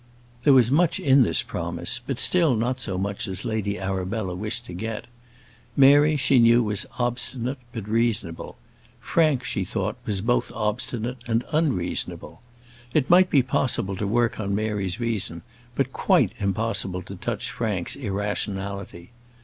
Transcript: There was much in this promise, but still not so much as Lady Arabella wished to get. Mary, she knew, was obstinate, but yet reasonable; Frank, she thought, was both obstinate and unreasonable. It might be possible to work on Mary's reason, but quite impossible to touch Frank's irrationality.